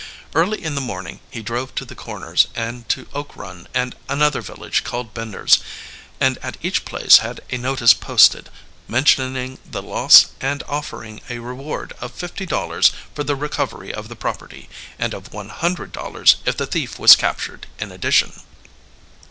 Early in the morning he drove to the Corners, and to Oak Run and another village called Bender's, and at each place had a notice posted, mentioning the loss and offering a reward of fifty dollars for the recovery of the property and of one hundred dollars if the thief was captured in addition.